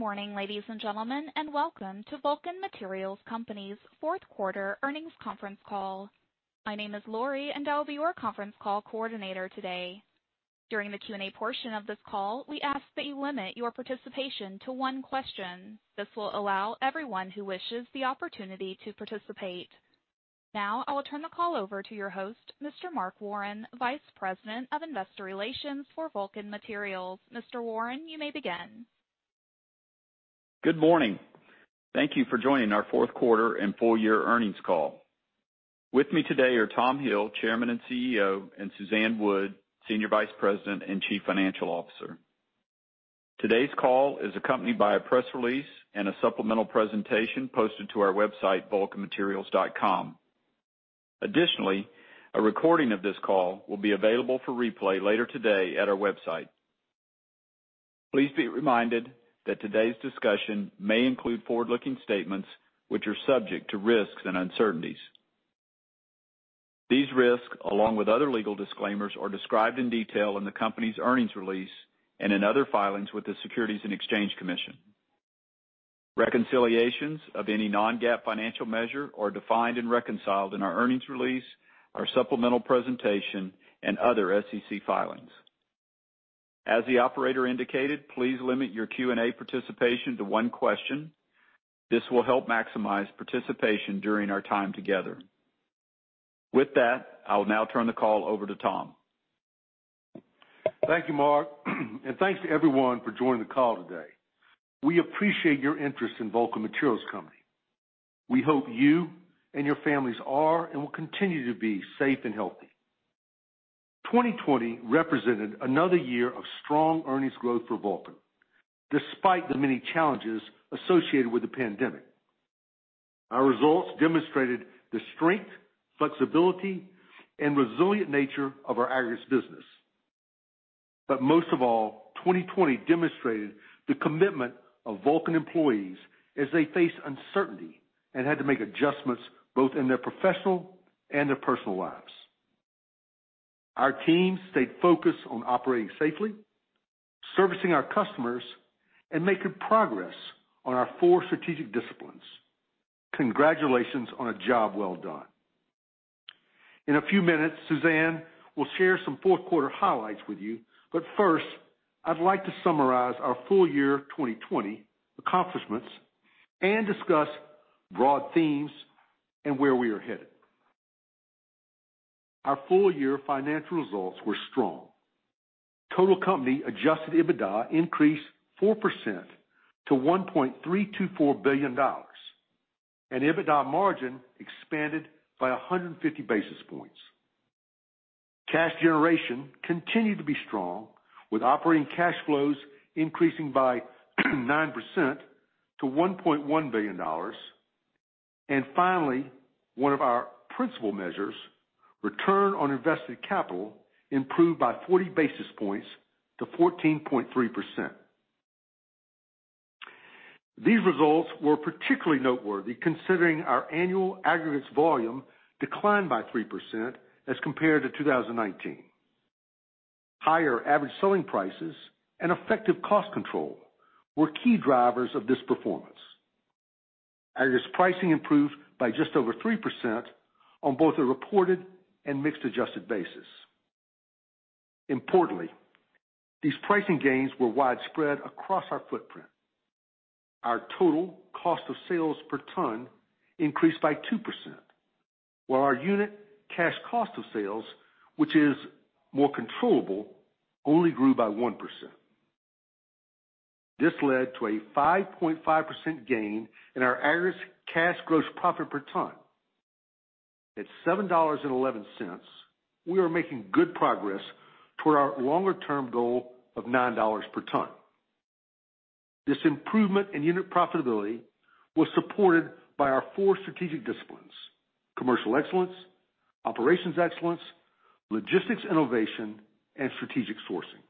Morning, ladies and gentlemen, and welcome to Vulcan Materials Company's fourth quarter earnings conference call. My name is Lori, and I will be your conference call coordinator today. During the Q&A portion of this call, we ask that you limit your participation to one question. This will allow everyone who wishes the opportunity to participate. Now, I will turn the call over to your host, Mr. Mark Warren, Vice President of Investor Relations for Vulcan Materials. Mr. Warren, you may begin. Good morning. Thank you for joining our fourth quarter and full year earnings call. With me today are Tom Hill, Chairman and CEO, and Suzanne Wood, Senior Vice President and Chief Financial Officer. Today's call is accompanied by a press release and a supplemental presentation posted to our website, vulcanmaterials.com. Additionally, a recording of this call will be available for replay later today at our website. Please be reminded that today's discussion may include forward-looking statements which are subject to risks and uncertainties. These risks, along with other legal disclaimers, are described in detail in the company's earnings release and in other filings with the Securities and Exchange Commission. Reconciliations of any non-GAAP financial measure are defined and reconciled in our earnings release, our supplemental presentation, and other SEC filings. As the operator indicated, please limit your Q&A participation to one question. This will help maximize participation during our time together. With that, I will now turn the call over to Tom. Thank you, Mark, and thanks to everyone for joining the call today. We appreciate your interest in Vulcan Materials Company. We hope you and your families are and will continue to be safe and healthy. 2020 represented another year of strong earnings growth for Vulcan, despite the many challenges associated with the pandemic. Our results demonstrated the strength, flexibility, and resilient nature of our Aggregates business. Most of all, 2020 demonstrated the commitment of Vulcan employees as they faced uncertainty and had to make adjustments both in their professional and their personal lives. Our team stayed focused on operating safely, servicing our customers, and making progress on our four strategic disciplines. Congratulations on a job well done. In a few minutes, Suzanne will share some fourth quarter highlights with you, but first, I'd like to summarize our full year 2020 accomplishments and discuss broad themes and where we are headed. Our full year financial results were strong. Total company adjusted EBITDA increased 4% to $1.324 billion, and EBITDA margin expanded by 150 basis points. Cash generation continued to be strong, with operating cash flows increasing by 9% to $1.1 billion. Finally, one of our principal measures, return on invested capital, improved by 40 basis points to 14.3%. These results were particularly noteworthy considering our annual Aggregates volume declined by 3% as compared to 2019. Higher average selling prices and effective cost control were key drivers of this performance. Aggregates pricing improved by just over 3% on both a reported and mix-adjusted basis. Importantly, these pricing gains were widespread across our footprint. Our total cost of sales per ton increased by 2%, while our unit cash cost of sales, which is more controllable, only grew by 1%. This led to a 5.5% gain in our Aggregates cash gross profit per ton. At $7.11, we are making good progress toward our longer-term goal of $9 per ton. This improvement in unit profitability was supported by our four strategic disciplines, commercial excellence, operations excellence, logistics innovation, and strategic sourcing.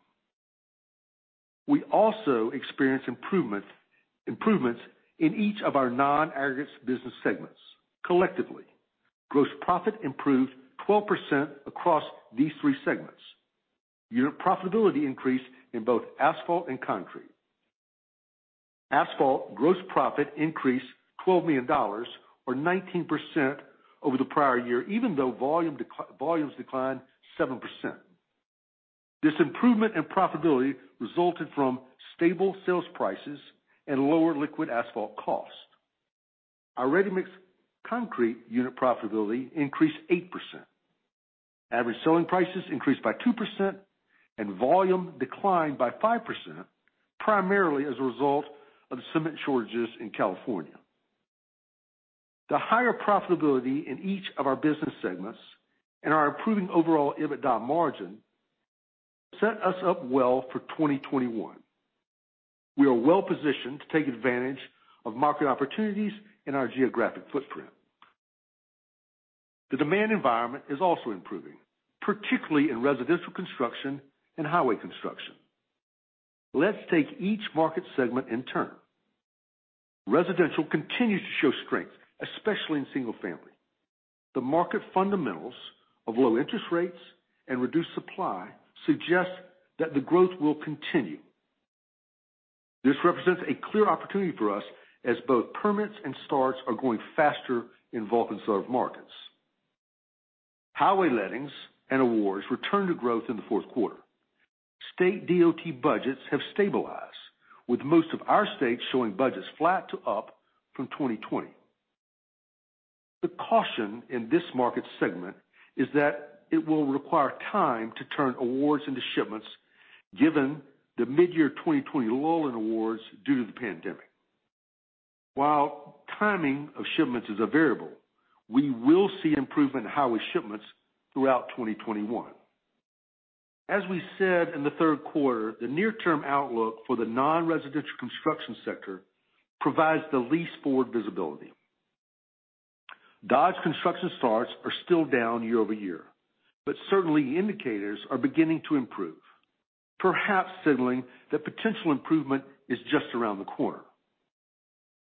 We also experienced improvements in each of our non-aggregates business segments. Collectively, gross profit improved 12% across these three segments. Unit profitability increased in both Asphalt and Concrete. Asphalt gross profit increased $12 million or 19% over the prior year, even though volumes declined 7%. This improvement in profitability resulted from stable sales prices and lower Liquid Asphalt cost. Our Ready-Mixed Concrete unit profitability increased 8%. Average selling prices increased by 2% and volume declined by 5%, primarily as a result of the cement shortages in California. The higher profitability in each of our business segments and our improving overall EBITDA margin set us up well for 2021. We are well positioned to take advantage of market opportunities in our geographic footprint. The demand environment is also improving, particularly in residential construction and highway construction. Let's take each market segment in turn. Residential continues to show strength, especially in single family. The market fundamentals of low interest rates and reduced supply suggest that the growth will continue. This represents a clear opportunity for us as both permits and starts are going faster in Vulcan served markets. Highway lettings and awards returned to growth in the fourth quarter. State DOT budgets have stabilized, with most of our states showing budgets flat to up from 2020. The caution in this market segment is that it will require time to turn awards into shipments, given the midyear 2020 lull in awards due to the pandemic. While timing of shipments is a variable, we will see improvement in highway shipments throughout 2021. As we said in the third quarter, the near term outlook for the non-residential construction sector provides the least forward visibility. Dodge Construction starts are still down year-over-year, but certain leading indicators are beginning to improve, perhaps signaling that potential improvement is just around the corner.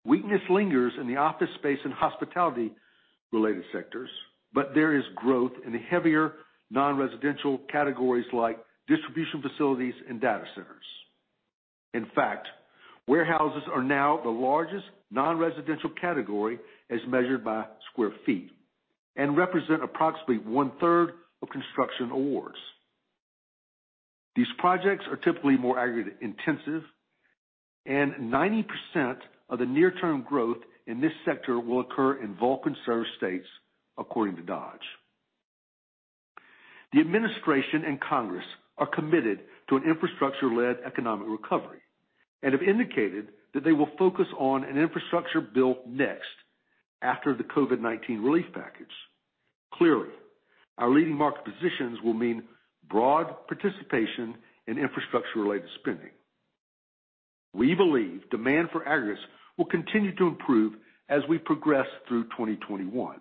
Weakness lingers in the office space and hospitality related sectors, but there is growth in the heavier non-residential categories like distribution facilities and data centers. In fact, warehouses are now the largest non-residential category as measured by sq ft, and represent approximately one-third of construction awards. These projects are typically more aggregate intensive, and 90% of the near-term growth in this sector will occur in Vulcan served states, according to Dodge. The administration and Congress are committed to an infrastructure-led economic recovery and have indicated that they will focus on an infrastructure bill next after the COVID-19 relief package. Clearly, our leading market positions will mean broad participation in infrastructure related spending. We believe demand for aggregates will continue to improve as we progress through 2021.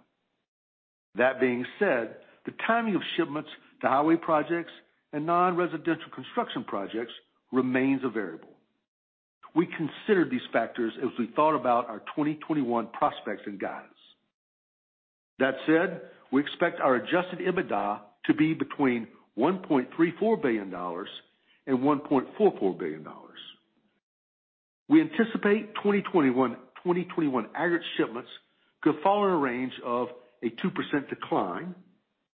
That being said, the timing of shipments to highway projects and non-residential construction projects remains a variable. We considered these factors as we thought about our 2021 prospects and guidance. That said, we expect our adjusted EBITDA to be between $1.34 billion and $1.44 billion. We anticipate 2021 aggregate shipments could fall in a range of a 2% decline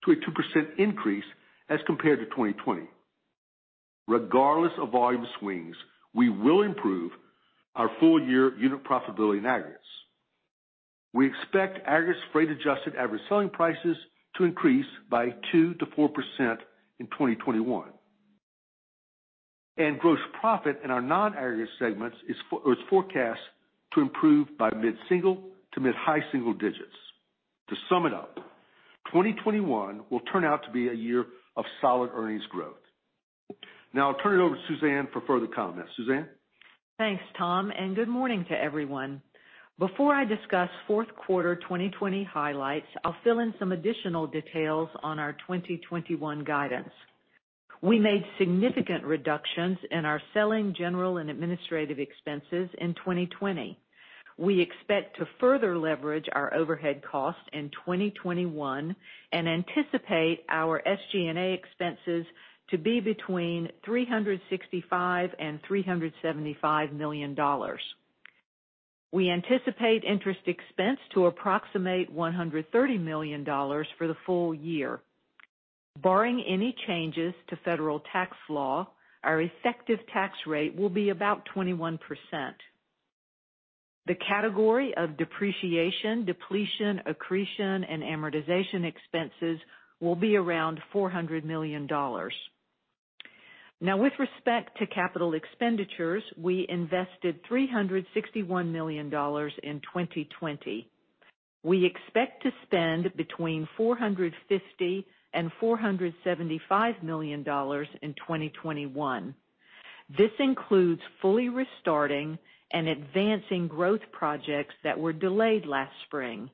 to a 2% increase as compared to 2020. Regardless of volume swings, we will improve our full year unit profitability in Aggregates. We expect Aggregates freight adjusted average selling prices to increase by 2%-4% in 2021. Gross profit in our non-aggregate segments is forecast to improve by mid-single to mid-high single digits. To sum it up, 2021 will turn out to be a year of solid earnings growth. Now I'll turn it over to Suzanne for further comments. Suzanne? Thanks, Tom, and good morning to everyone. Before I discuss fourth quarter 2020 highlights, I'll fill in some additional details on our 2021 guidance. We made significant reductions in our selling, general and administrative expenses in 2020. We expect to further leverage our overhead costs in 2021 and anticipate our SG&A expenses to be between $365 million and $375 million. We anticipate interest expense to approximate $130 million for the full year. Barring any changes to federal tax law, our effective tax rate will be about 21%. The category of depreciation, depletion, accretion, and amortization expenses will be around $400 million. Now, with respect to capital expenditures, we invested $361 million in 2020. We expect to spend between $450 million and $475 million in 2021. This includes fully restarting and advancing growth projects that were delayed last spring,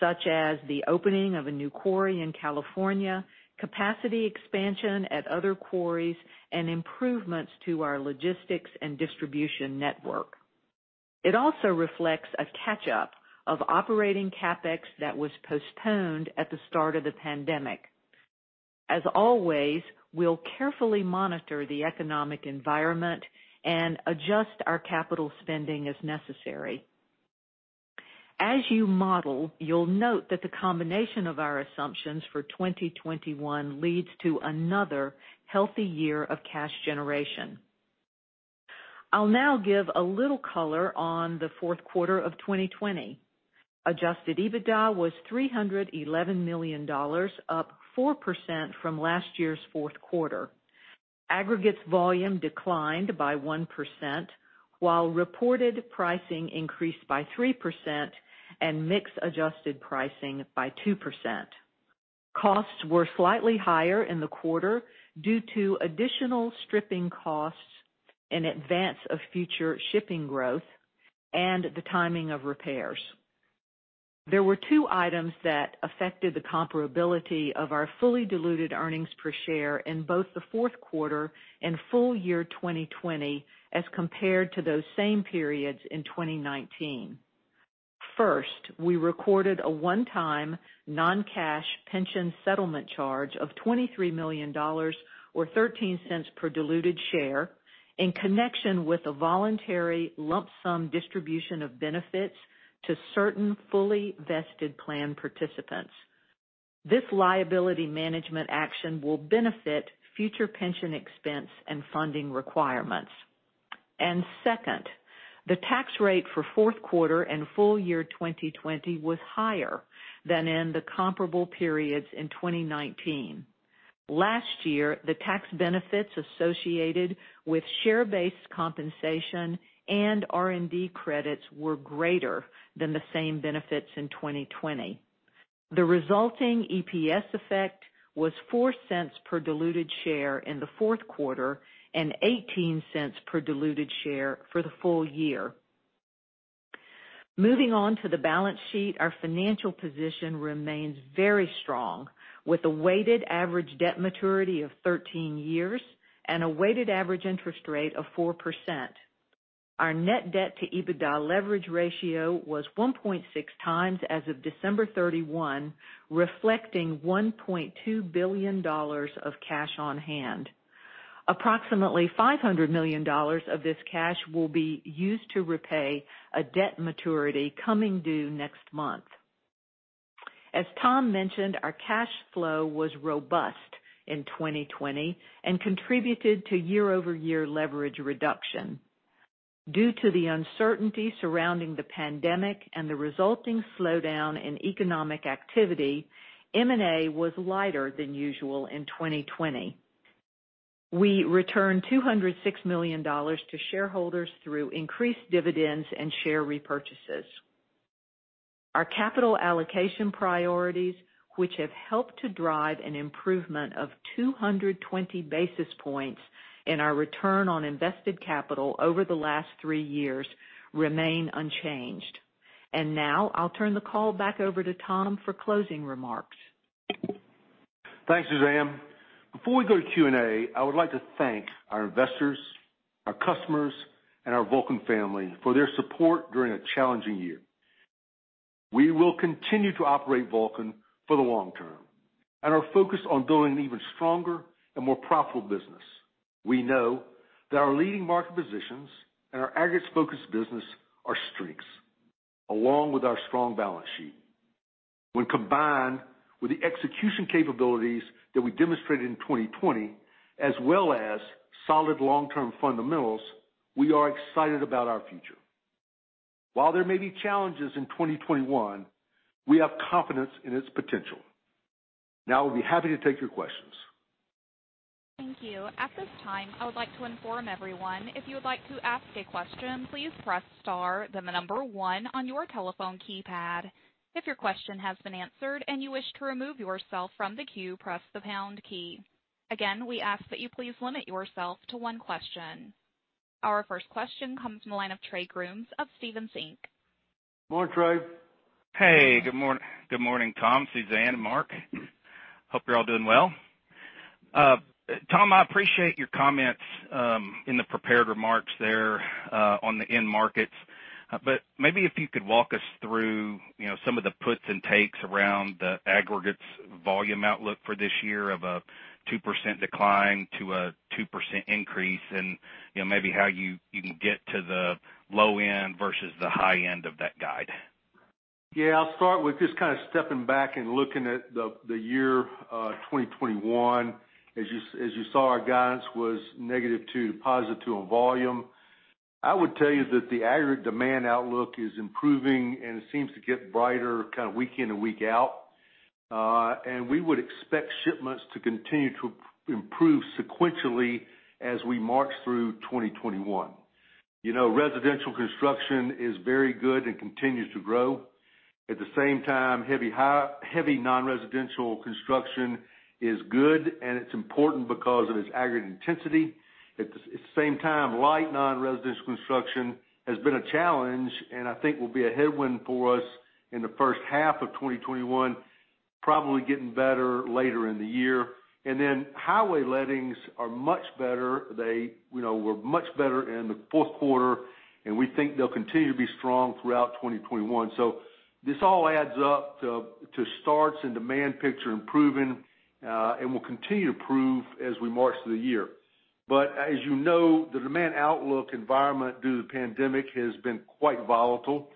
such as the opening of a new quarry in California, capacity expansion at other quarries, and improvements to our logistics and distribution network. It also reflects a catch-up of operating CapEx that was postponed at the start of the pandemic. As always, we'll carefully monitor the economic environment and adjust our capital spending as necessary. As you model, you'll note that the combination of our assumptions for 2021 leads to another healthy year of cash generation. I'll now give a little color on the fourth quarter of 2020. Adjusted EBITDA was $311 million, up 4% from last year's fourth quarter. Aggregates volume declined by 1%, while reported pricing increased by 3% and mix adjusted pricing by 2%. Costs were slightly higher in the quarter due to additional stripping costs in advance of future shipping growth and the timing of repairs. There were two items that affected the comparability of our fully diluted earnings per share in both the fourth quarter and full year 2020 as compared to those same periods in 2019. First, we recorded a one-time non-cash pension settlement charge of $23 million or $0.13 per diluted share in connection with a voluntary lump sum distribution of benefits to certain fully vested plan participants. This liability management action will benefit future pension expense and funding requirements. Second, the tax rate for fourth quarter and full year 2020 was higher than in the comparable periods in 2019. Last year, the tax benefits associated with share-based compensation and R&D credits were greater than the same benefits in 2020. The resulting EPS effect was $0.04 per diluted share in the fourth quarter and $0.18 per diluted share for the full year. Moving on to the balance sheet, our financial position remains very strong, with a weighted average debt maturity of 13 years and a weighted average interest rate of 4%. Our net debt to EBITDA leverage ratio was 1.6 times as of December 31, reflecting $1.2 billion of cash on hand. Approximately $500 million of this cash will be used to repay a debt maturity coming due next month. As Tom mentioned, our cash flow was robust in 2020 and contributed to year-over-year leverage reduction. Due to the uncertainty surrounding the pandemic and the resulting slowdown in economic activity, M&A was lighter than usual in 2020. We returned $206 million to shareholders through increased dividends and share repurchases. Our capital allocation priorities, which have helped to drive an improvement of 220 basis points in our return on invested capital over the last three years, remain unchanged. Now I'll turn the call back over to Tom for closing remarks. Thanks, Suzanne. Before we go to Q&A, I would like to thank our investors, our customers, and our Vulcan family for their support during a challenging year. We will continue to operate Vulcan for the long term and are focused on building an even stronger and more profitable business. We know that our leading market positions and our Aggregates-focused business are strengths, along with our strong balance sheet. When combined with the execution capabilities that we demonstrated in 2020, as well as solid long-term fundamentals, we are excited about our future. While there may be challenges in 2021, we have confidence in its potential. Now we'll be happy to take your questions. Thank you. At this time, I would like to inform everyone, if you would like to ask a question, please press star, then the number one on your telephone keypad. If your question has been answered and you wish to remove yourself from the queue, press the pound key. Again, we ask that you please limit yourself to one question. Our first question comes from the line of Trey Grooms of Stephens Inc. Good morning, Trey. Hey, good morning. Good morning, Tom, Suzanne, and Mark. Hope you're all doing well. Tom, I appreciate your comments in the prepared remarks there on the end markets. Maybe if you could walk us through some of the puts and takes around the Aggregates volume outlook for this year of a 2% decline to a 2% increase and maybe how you can get to the low end versus the high end of that guide. Yeah, I'll start with just kind of stepping back and looking at the year 2021. As you saw, our guidance was negative two to positive two on volume. I would tell you that the aggregate demand outlook is improving, and it seems to get brighter kind of week in and week out. And we would expect shipments to continue to improve sequentially as we march through 2021. Residential construction is very good and continues to grow. At the same time, heavy non-residential construction is good, and it's important because of its aggregate intensity. At the same time, light non-residential construction has been a challenge, and I think will be a headwind for us in the first half of 2021, probably getting better later in the year. And then highway lettings are much better. They were much better in the fourth quarter, and we think they'll continue to be strong throughout 2021. This all adds up to starts and demand picture improving, and will continue to improve as we march through the year. As you know, the demand outlook environment due to the pandemic has been quite volatile.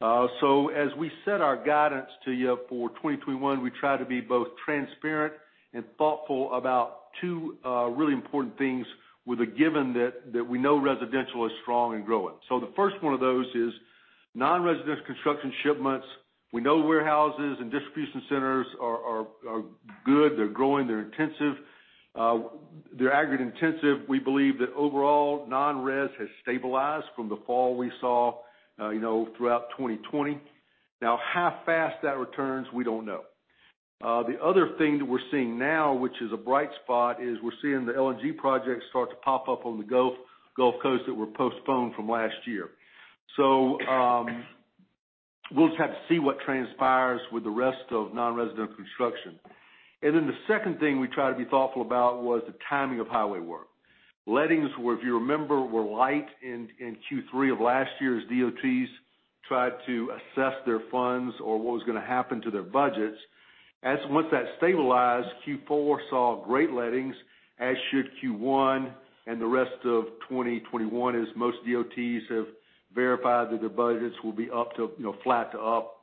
As we set our guidance to you for 2021, we try to be both transparent and thoughtful about two really important things with a given that we know residential is strong and growing. The first one of those is non-residential construction shipments. We know warehouses and distribution centers are good. They're growing. They're Aggregates intensive. We believe that overall non-res has stabilized from the fall we saw throughout 2020. How fast that returns, we don't know. The other thing that we're seeing now, which is a bright spot, is we're seeing the LNG projects start to pop up on the Gulf Coast that were postponed from last year. We'll just have to see what transpires with the rest of non-residential construction. The second thing we try to be thoughtful about was the timing of highway work. Lettings, if you remember, were light in Q3 of last year as DOTs tried to assess their funds or what was going to happen to their budgets. As once that stabilized, Q4 saw great lettings, as should Q1 and the rest of 2021, as most DOTs have verified that their budgets will be flat to up.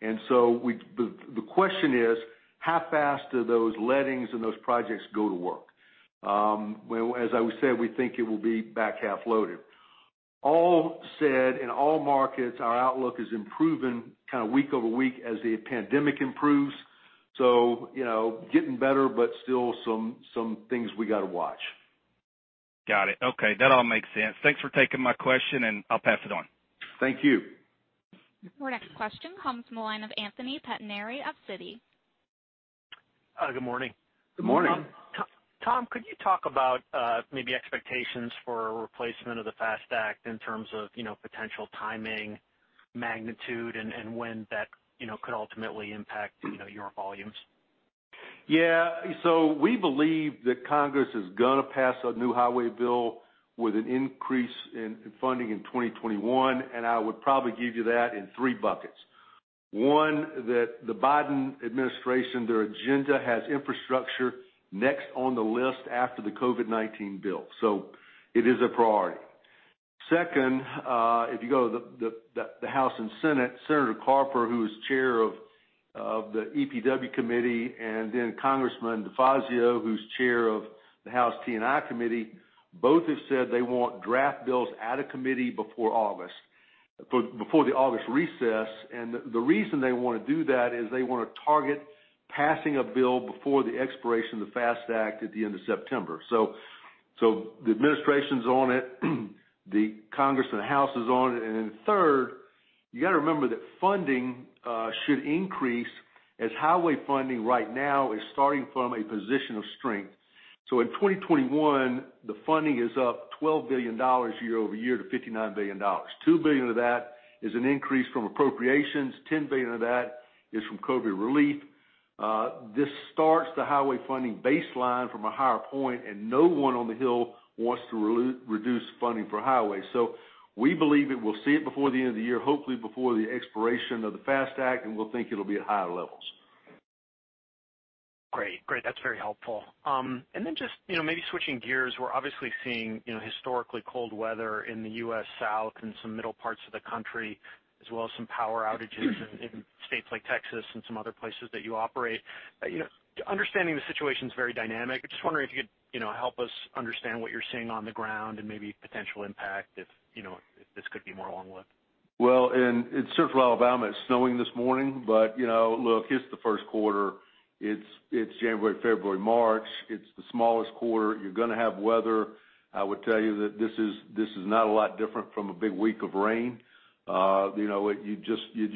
The question is, how fast do those lettings and those projects go to work? As I said, we think it will be back half loaded. All said, in all markets, our outlook is improving kind of week-over-week as the pandemic improves, getting better, but still some things we got to watch. Got it. Okay. That all makes sense. Thanks for taking my question, and I'll pass it on. Thank you. Your next question comes from the line of Anthony Pettinari of Citi. Good morning. Good morning. Tom, could you talk about maybe expectations for a replacement of the FAST Act in terms of potential timing, magnitude, and when that could ultimately impact your volumes? We believe that Congress is going to pass a new highway bill with an increase in funding in 2021, and I would probably give you that in three buckets. One, that the Biden administration, their agenda has infrastructure next on the list after the COVID-19 bill. It is a priority. Second, if you go to the House and Senate, Senator Carper, who is chair of the EPW Committee, and then Congressman DeFazio, who's chair of the House T&I Committee, both have said they want draft bills out of committee before the August recess. The reason they want to do that is they want to target passing a bill before the expiration of the FAST Act at the end of September. The administration's on it, the Congress and the House is on it. Then third, you got to remember that funding should increase as highway funding right now is starting from a position of strength. In 2021, the funding is up $12 billion year-over-year to $59 billion. $2 billion of that is an increase from appropriations. $10 billion of that is from COVID relief. This starts the highway funding baseline from a higher point, and no one on the Hill wants to reduce funding for highways. We believe that we'll see it before the end of the year, hopefully before the expiration of the FAST Act, and we think it'll be at higher levels. Great. That's very helpful. Just maybe switching gears, we're obviously seeing historically cold weather in the U.S. South and some middle parts of the country, as well as some power outages in states like Texas and some other places that you operate. Understanding the situation's very dynamic, I'm just wondering if you could help us understand what you're seeing on the ground and maybe potential impact if this could be more long-lived. Well, in Central Alabama, it's snowing this morning. Look, it's the first quarter. It's January, February, March. It's the smallest quarter. You're going to have weather. I would tell you that this is not a lot different from a big week of rain. You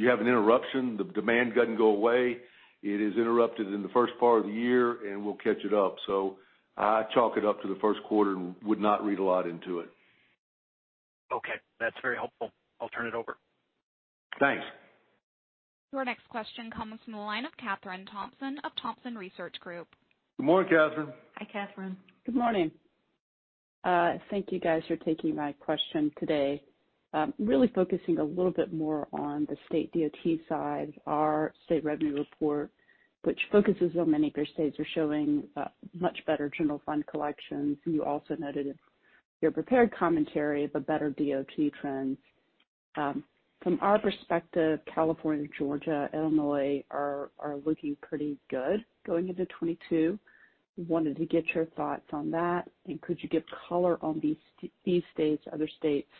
have an interruption. The demand doesn't go away. It is interrupted in the first part of the year, and we'll catch it up. I chalk it up to the first quarter and would not read a lot into it. Okay. That's very helpful. I'll turn it over. Thanks. Your next question comes from the line of Kathryn Thompson of Thompson Research Group. Good morning, Kathryn. Hi, Kathryn. Good morning. Thank you guys for taking my question today. Really focusing a little bit more on the state DOT side, our state revenue report, which focuses on many of your states, are showing much better general fund collections. You also noted in your prepared commentary the better DOT trends. From our perspective, California, Georgia, Illinois are looking pretty good going into 2022. I wanted to get your thoughts on that. Could you give color on these states, other states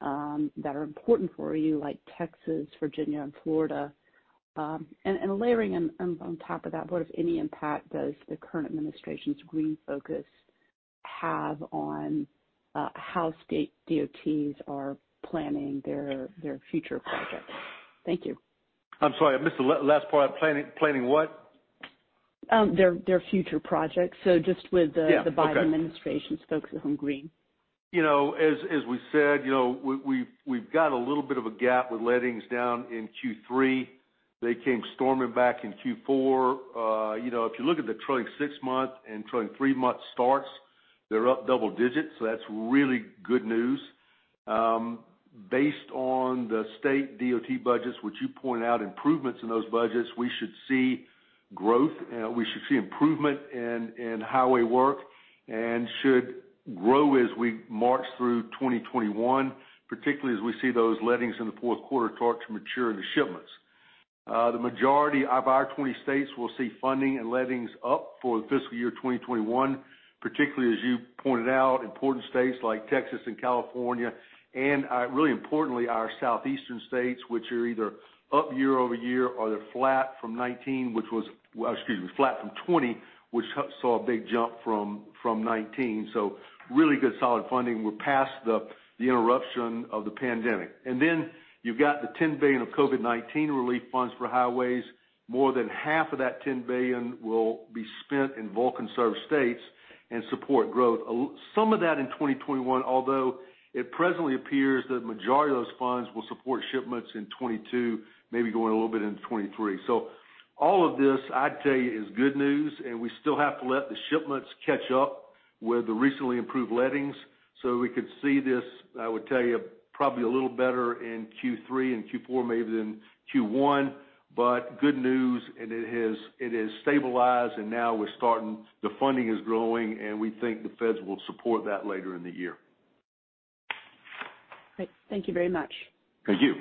that are important for you, like Texas, Virginia, and Florida? Layering on top of that, what, if any, impact does the current administration's green focus have on how state DOTs are planning their future projects? Thank you. I'm sorry, I missed the last part. Planning what? Their future projects. Yeah. Okay. the Biden administration's focus on green. As we said, we've got a little bit of a gap with lettings down in Q3. They came storming back in Q4. If you look at the trailing 6-month and trailing 3-month starts, they're up double digits. That's really good news. Based on the state DOT budgets, which you pointed out improvements in those budgets, we should see growth, we should see improvement in highway work and should grow as we march through 2021, particularly as we see those lettings in the fourth quarter start to mature into shipments. The majority of our 20 states will see funding and lettings up for the fiscal year 2021, particularly as you pointed out, important states like Texas and California, and really importantly, our southeastern states, which are either up year-over-year or they're flat from 2019, which was, excuse me, flat from 2020, which saw a big jump from 2019. Really good solid funding. We're past the interruption of the pandemic. You've got the $10 billion of COVID-19 relief funds for highways. More than half of that $10 billion will be spent in Vulcan-served states and support growth. Some of that in 2021, although it presently appears that the majority of those funds will support shipments in 2022, maybe going a little bit into 2023. All of this, I'd tell you, is good news, and we still have to let the shipments catch up with the recently improved lettings. We could see this, I would tell you, probably a little better in Q3 and Q4 maybe than Q1. Good news, and it has stabilized and now the funding is growing, and we think the feds will support that later in the year. Great. Thank you very much. Thank you.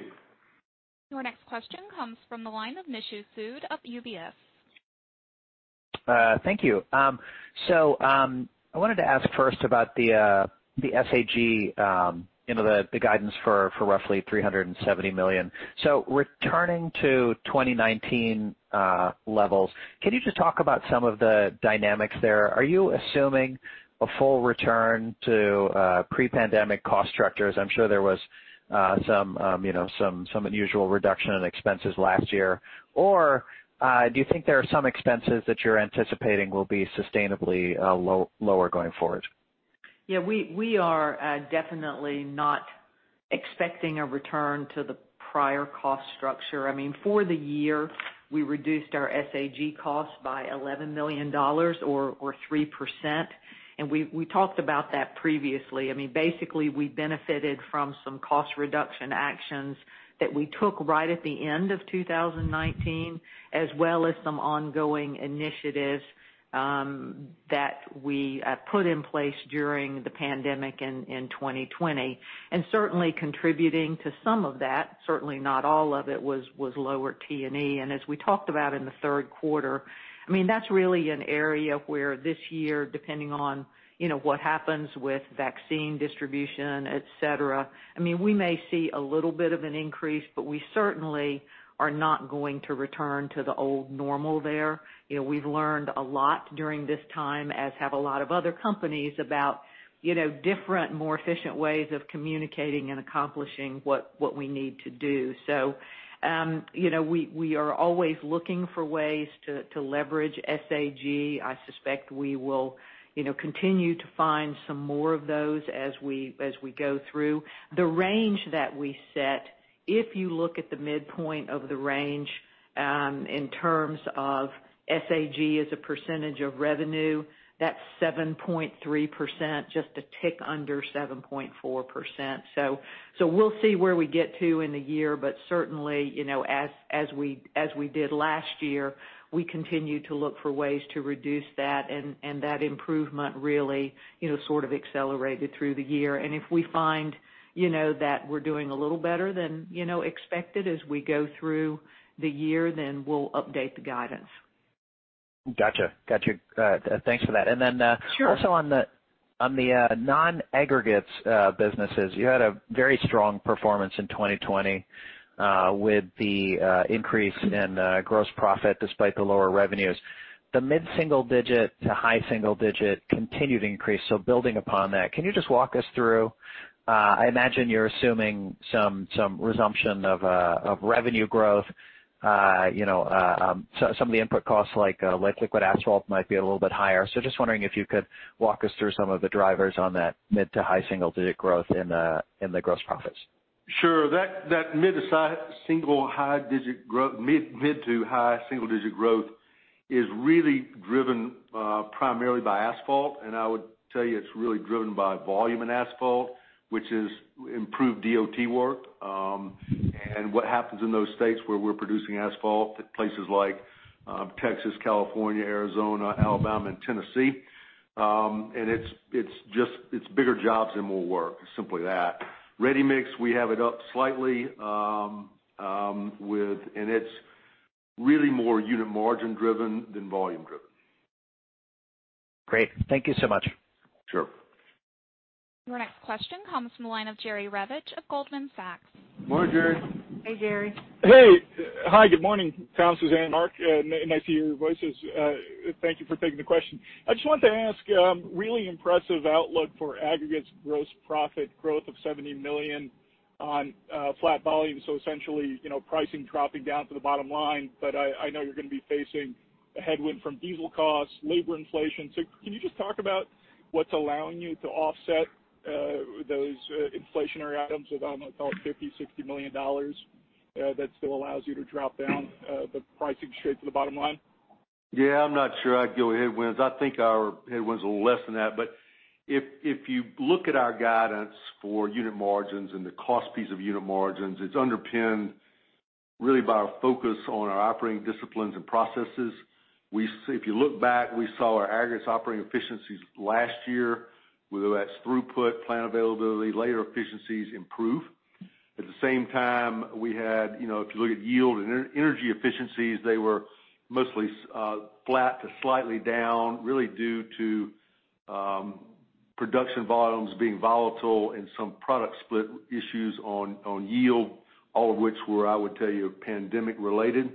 Your next question comes from the line of Nishu Sood of UBS. Thank you. I wanted to ask first about the SG&A, the guidance for roughly $370 million. Returning to 2019 levels, can you just talk about some of the dynamics there? Are you assuming a full return to pre-pandemic cost structures? I'm sure there was some unusual reduction in expenses last year. Do you think there are some expenses that you're anticipating will be sustainably lower going forward? We are definitely not expecting a return to the prior cost structure. For the year, we reduced our SG&A cost by $11 million or 3%, we talked about that previously. Basically, we benefited from some cost reduction actions that we took right at the end of 2019, as well as some ongoing initiatives that we put in place during the pandemic in 2020. Certainly contributing to some of that, certainly not all of it, was lower T&E. As we talked about in the third quarter, that's really an area where this year, depending on what happens with vaccine distribution, et cetera, we may see a little bit of an increase, we certainly are not going to return to the old normal there. We've learned a lot during this time, as have a lot of other companies, about different, more efficient ways of communicating and accomplishing what we need to do. We are always looking for ways to leverage SG&A. I suspect we will continue to find some more of those as we go through. The range that we set, if you look at the midpoint of the range, in terms of SG&A as a percentage of revenue, that's 7.3%, just a tick under 7.4%. We'll see where we get to in the year, certainly, as we did last year, we continue to look for ways to reduce that improvement really sort of accelerated through the year. If we find that we're doing a little better than expected as we go through the year, we'll update the guidance. Got you. Thanks for that. Sure. Also on the non-Aggregates businesses, you had a very strong performance in 2020 with the increase in gross profit despite the lower revenues. The mid-single digit to high single digit continued to increase. Building upon that, can you just walk us through? I imagine you're assuming some resumption of revenue growth. Some of the input costs like Liquid Asphalt might be a little bit higher. Just wondering if you could walk us through some of the drivers on that mid to high single-digit growth in the gross profits. Sure. That mid to high single-digit growth is really driven primarily by Asphalt, and I would tell you it's really driven by volume in Asphalt, which is improved DOT work. What happens in those states where we're producing Asphalt, places like Texas, California, Arizona, Alabama, and Tennessee, it's bigger jobs and more work, simply that. Ready-mix, we have it up slightly, and it's really more unit margin driven than volume driven. Great. Thank you so much. Sure. Your next question comes from the line of Jerry Revich of Goldman Sachs. Morning, Jerry. Hey, Jerry. Hi, good morning, Tom, Suzanne, Mark. Nice to hear your voices. Thank you for taking the question. I just wanted to ask, really impressive outlook for Aggregates gross profit growth of $70 million on flat volume. Essentially, pricing dropping down to the bottom line. I know you're going to be facing a headwind from diesel costs, labor inflation. Can you just talk about what's allowing you to offset those inflationary items of, I don't know, call it $50 million, $60 million that still allows you to drop down the pricing straight to the bottom line? Yeah, I'm not sure I'd go headwinds. I think our headwind's a little less than that. If you look at our guidance for unit margins and the cost piece of unit margins, it's underpinned really by our focus on our operating disciplines and processes. If you look back, we saw our aggregates operating efficiencies last year, whether that's throughput, plant availability, labor efficiencies, improve. At the same time, if you look at yield and energy efficiencies, they were mostly flat to slightly down, really due to production volumes being volatile and some product split issues on yield, all of which were, I would tell you, pandemic related.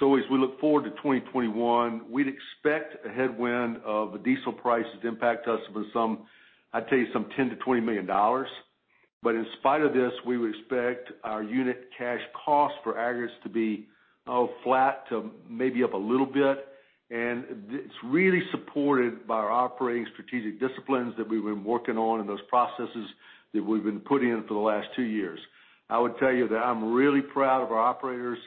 As we look forward to 2021, we'd expect a headwind of a diesel price that impact us by some, I'd tell you, some $10 million-$20 million. In spite of this, we would expect our unit cash cost for aggregates to be flat to maybe up a little bit. It's really supported by our operating strategic disciplines that we've been working on and those processes that we've been putting in for the last two years. I would tell you that I'm really proud of our operators.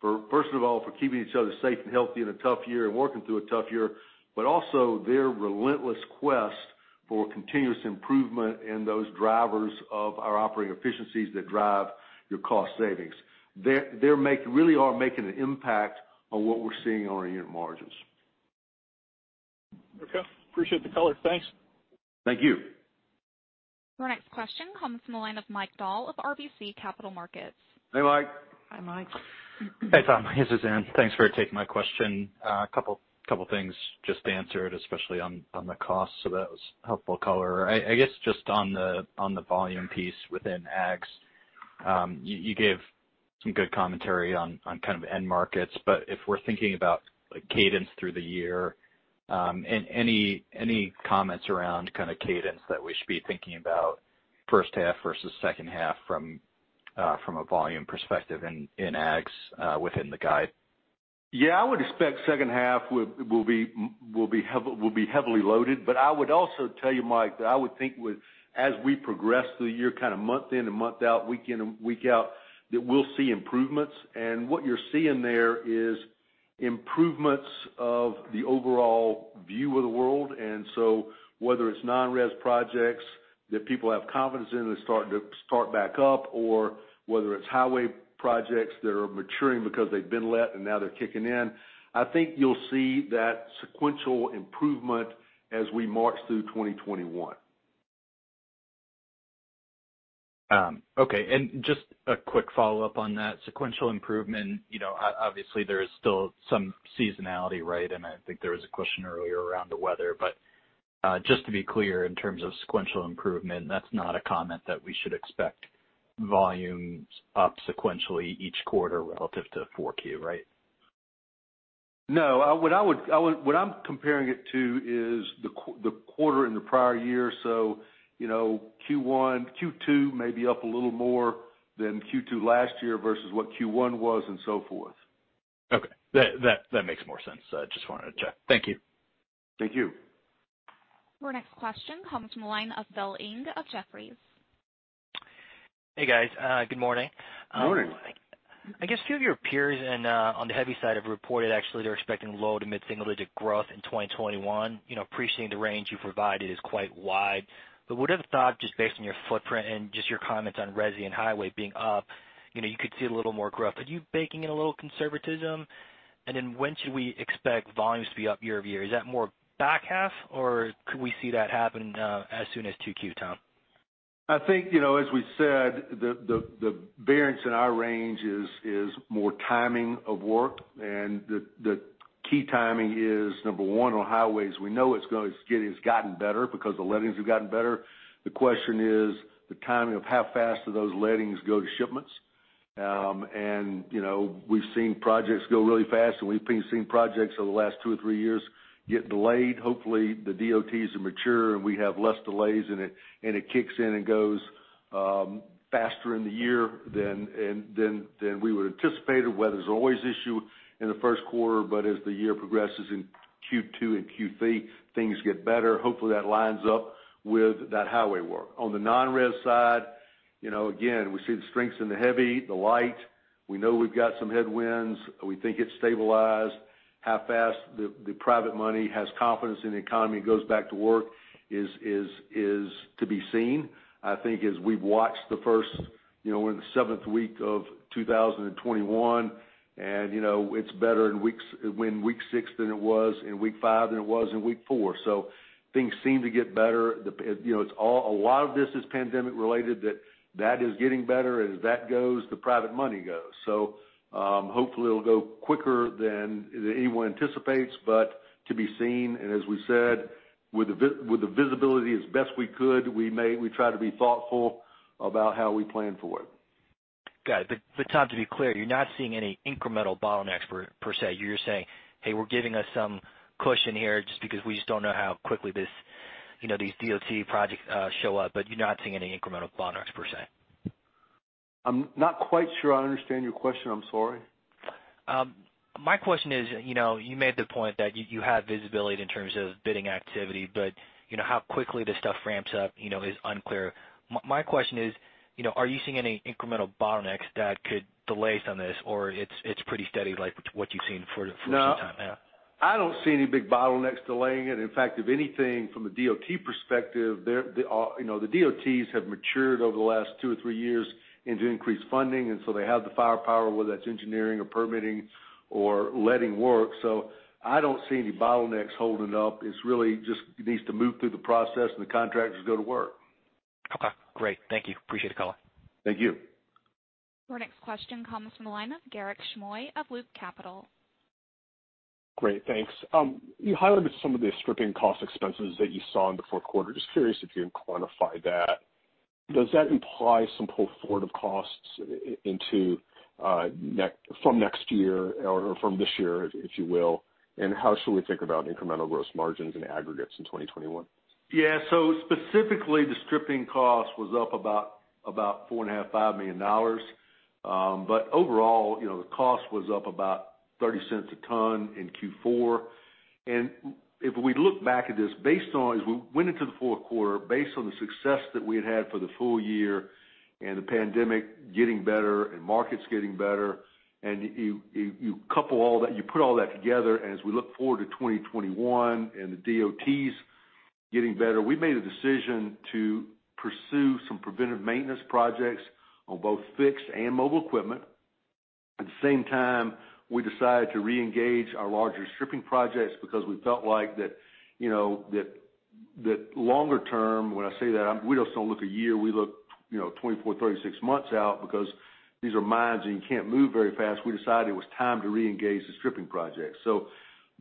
First of all, for keeping each other safe and healthy in a tough year and working through a tough year, but also their relentless quest for continuous improvement in those drivers of our operating efficiencies that drive your cost savings. They really are making an impact on what we're seeing on our year-end margins. Okay. Appreciate the color. Thanks. Thank you. Our next question comes from the line of Mike Dahl of RBC Capital Markets. Hey, Mike. Hi, Mike. Hey, Tom. This is Dan. Thanks for taking my question. A couple things just answered, especially on the cost. That was helpful color. I guess, just on the volume piece within Aggs. You gave some good commentary on kind of end markets, but if we're thinking about cadence through the year, and any comments around kind of cadence that we should be thinking about first half versus second half from a volume perspective in Aggs within the guide? Yeah, I would expect second half will be heavily loaded. I would also tell you, Mike, that I would think as we progress through the year, kind of month in and month out, week in and week out, that we'll see improvements. What you're seeing there is improvements of the overall view of the world. Whether it's non-res projects that people have confidence in and they're starting to start back up, or whether it's highway projects that are maturing because they've been let and now they're kicking in. I think you'll see that sequential improvement as we march through 2021. Okay. Just a quick follow-up on that sequential improvement. Obviously, there is still some seasonality, right? I think there was a question earlier around the weather, but just to be clear, in terms of sequential improvement, that's not a comment that we should expect volumes up sequentially each quarter relative to 4Q, right? No. What I'm comparing it to is the quarter in the prior year. Q1, Q2 may be up a little more than Q2 last year versus what Q1 was and so forth. Okay. That makes more sense. Just wanted to check. Thank you. Thank you. Our next question comes from the line of Philip Ng of Jefferies. Hey, guys. Good morning. Morning. I guess few of your peers on the heavy side have reported actually they're expecting low to mid single-digit growth in 2021. Appreciating the range you provided is quite wide. Would have thought just based on your footprint and just your comments on resi and highway being up, you could see a little more growth. Are you baking in a little conservatism? When should we expect volumes to be up year-over-year? Is that more back half, or could we see that happen as soon as 2Q, Tom? I think, as we said, the variance in our range is more timing of work and the key timing is, number one on highways, we know it's gotten better because the lettings have gotten better. The question is the timing of how fast do those lettings go to shipments. We've seen projects go really fast, and we've seen projects over the last two or three years get delayed. Hopefully, the DOTs are mature, and we have less delays, and it kicks in and goes faster in the year than we would anticipate. The weather's always an issue in the first quarter. As the year progresses in Q2 and Q3, things get better. Hopefully, that lines up with that highway work. On the non-res side, again, we see the strengths in the heavy, the light. We know we've got some headwinds. We think it's stabilized. How fast the private money has confidence in the economy and goes back to work is to be seen. I think as we've watched the first, we're in the seventh week of 2021, it's better in week 6 than it was in week 5, than it was in week 4. Things seem to get better. A lot of this is pandemic related that is getting better. As that goes, the private money goes. Hopefully it'll go quicker than anyone anticipates, but to be seen. As we said, with the visibility as best we could, we try to be thoughtful about how we plan for it. Got it. Tom, to be clear, you're not seeing any incremental bottlenecks per se. You're saying, "Hey, we're giving us some cushion here just because we just don't know how quickly these DOT projects show up." You're not seeing any incremental bottlenecks per se? I'm not quite sure I understand your question. I'm sorry. My question is, you made the point that you have visibility in terms of bidding activity, but how quickly this stuff ramps up is unclear. My question is, are you seeing any incremental bottlenecks that could delay some of this, or it's pretty steady like what you've seen for some time now? No. I don't see any big bottlenecks delaying it. In fact, if anything, from a DOT perspective, the DOTs have matured over the last two or three years into increased funding, and so they have the firepower, whether that's engineering or permitting or letting work. I don't see any bottlenecks holding up. It really just needs to move through the process and the contractors go to work. Okay, great. Thank you. Appreciate the call. Thank you. Our next question comes from the line of Garik Shmois of Loop Capital. Great. Thanks. You highlighted some of the stripping cost expenses that you saw in the fourth quarter. Just curious if you can quantify that. Does that imply some pull forward of costs from next year or from this year, if you will? How should we think about incremental gross margins and aggregates in 2021? Yeah. Specifically, the stripping cost was up about $4.5 million-$5 million. Overall, the cost was up about $0.30 a ton in Q4. If we look back at this, as we went into the fourth quarter, based on the success that we had had for the full year and the pandemic getting better and markets getting better, and you put all that together, and as we look forward to 2021 and the DOTs getting better, we made a decision to pursue some preventive maintenance projects on both fixed and mobile equipment. At the same time, we decided to reengage our larger stripping projects because we felt like that longer term, when I say that, we just don't look a year, we look 24, 36 months out because these are mines and you can't move very fast. We decided it was time to reengage the stripping projects.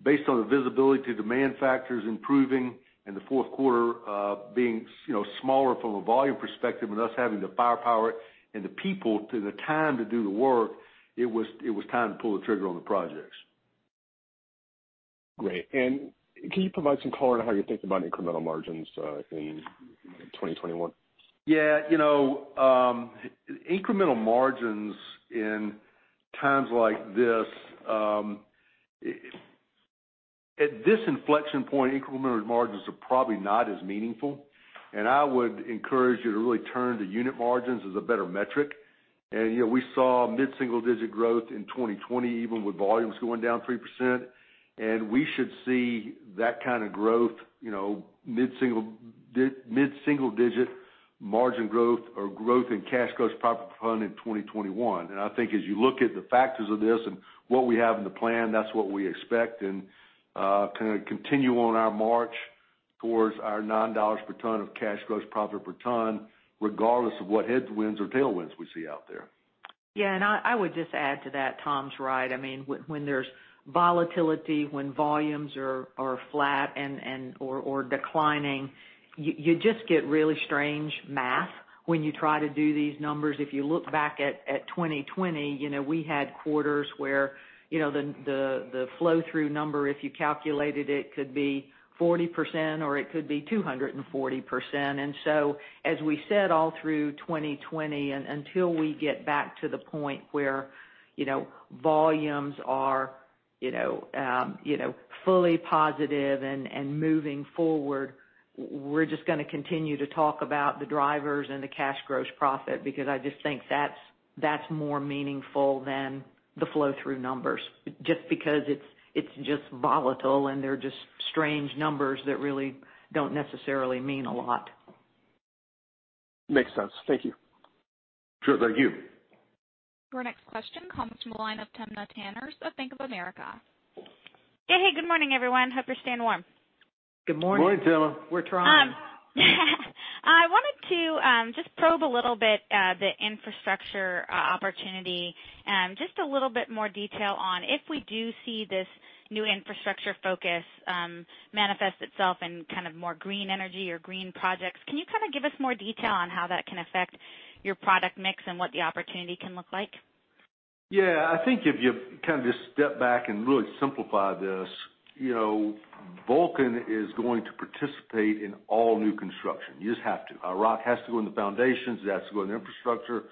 Based on the visibility to demand factors improving and the fourth quarter being smaller from a volume perspective and us having the firepower and the people and the time to do the work, it was time to pull the trigger on the projects. Great. Can you provide some color on how you're thinking about incremental margins in 2021? Yeah. Incremental margins in times like this, at this inflection point, incremental margins are probably not as meaningful, and I would encourage you to really turn to unit margins as a better metric. We saw mid-single-digit growth in 2020, even with volumes going down 3%. We should see that kind of growth, mid-single-digit margin growth or growth in cash gross profit per ton in 2021. I think as you look at the factors of this and what we have in the plan, that's what we expect and kind of continue on our march towards our $9 per ton of cash gross profit per ton, regardless of what headwinds or tailwinds we see out there. Yeah, I would just add to that. Tom's right. When there's volatility, when volumes are flat or declining, you just get really strange math when you try to do these numbers. If you look back at 2020, we had quarters where the flow-through number, if you calculated it, could be 40% or it could be 240%. So as we said all through 2020, until we get back to the point where volumes are fully positive and moving forward, we're just going to continue to talk about the drivers and the cash gross profit because I just think that's more meaningful than the flow-through numbers. Just because it's just volatile and they're just strange numbers that really don't necessarily mean a lot. Makes sense. Thank you. Sure. Thank you. Your next question comes from the line of Timna Tanners of Bank of America. Hey. Good morning, everyone. Hope you're staying warm. Good morning. Good morning, Timna. We're trying. I wanted to just probe a little bit the infrastructure opportunity. Just a little bit more detail on if we do see this new infrastructure focus manifest itself in kind of more green energy or green projects, can you kind of give us more detail on how that can affect your product mix and what the opportunity can look like? Yeah. I think if you kind of just step back and really simplify this, Vulcan is going to participate in all new construction. You just have to. Our rock has to go in the foundations, it has to go in the infrastructure.